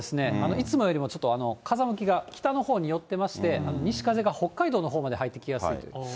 いつもよりちょっと風向きが北のほうに寄ってまして、西風が北海道のほうまで入ってきやすいので。